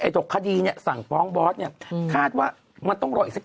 ตกคดีสั่งฟ้องบอสคาดว่ามันต้องรออีกสัก๗วัน